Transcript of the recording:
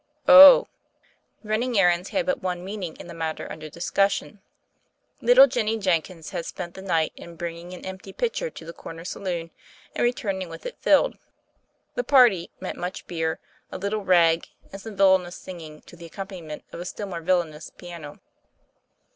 "Oh 1" Running errands had but one meaning in the matter under discussion. Little Jennie Jenkins had spent the night in bringing an empty pitcher to the corner saloon and returning with THE FAIRY OF THE SNOWS 1 1 it filled. The ''party" meant much beer, a little ''rag/' and some villainous singing to the accom paniment of a still more villainous piano.